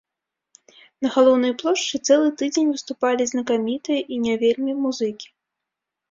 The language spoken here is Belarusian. На галоўнай плошчы цэлы тыдзень выступалі знакамітыя і не вельмі музыкі.